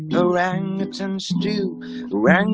boleh tuh boleh banget